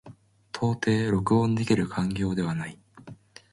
到底録音できる環境ではない。